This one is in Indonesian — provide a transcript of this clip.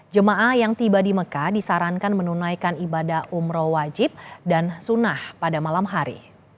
jemaah yang tiba di mekah disarankan menunaikan ibadah umroh wajib dan sunnah pada malam hari